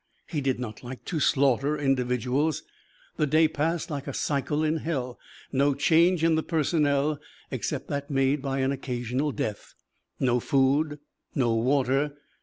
He did not like to slaughter individuals. The day passed like a cycle in hell. No change in the personnel except that made by an occasional death. No food. No water.